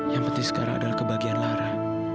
yang penting sekarang adalah kebahagiaan lara